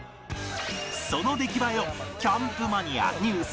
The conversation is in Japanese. その出来栄えをキャンプマニア ＮＥＷＳ